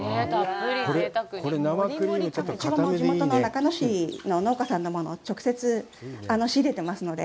地元の長野市の農家さんのものを直接、仕入れてますので。